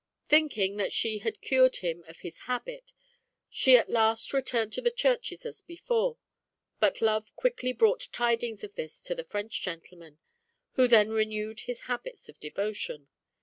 Thinking that she had cured him of his habit, she at last returned to the churches as before, but love quickly brought tidings of this to the French gentleman, who then renewed his habits of devotion.